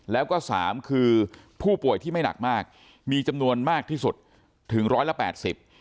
แล้วก็สามคือผู้ป่วยที่ไม่หนักมากมีจำนวนมากที่สุดถึงร้อยละแปดสิบ